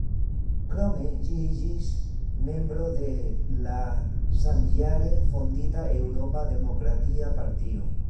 Krome ĝi iĝis membro de la samjare fondita Eŭropa Demokratia Partio.